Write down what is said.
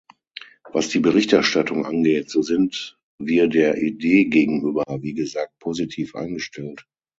Was die Berichterstattung angeht, so sind wir der Idee gegenüber, wie gesagt, positiv eingestellt.